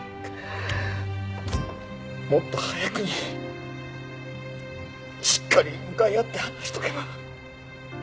もっと早くにしっかり向かい合って話しておけば。